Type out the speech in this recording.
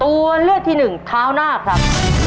ตัวเลือกที่หนึ่งเท้าหน้าครับ